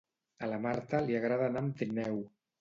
A la Marta li agrada anar amb trineu